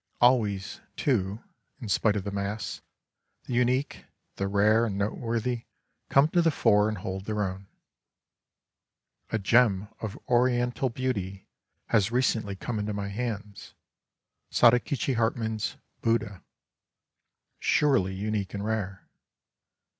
Always, too, in spite of the mass, — the unique, — the rare and noteworthy come to the fore and hold their own. A gem of Ori ental beauty has recently come into my hands, Sadakichi Hartmann's " Buddha," surely unique and rare.